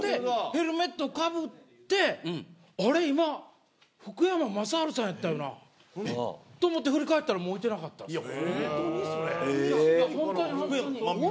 ヘルメットをかぶって今、福山雅治さんだったよなぁって思って振り返ったらいてなかったんですよ。